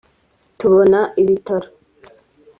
tubona ibitaro